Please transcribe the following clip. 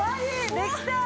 できた！